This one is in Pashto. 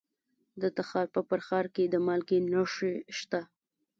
د تخار په فرخار کې د مالګې نښې شته.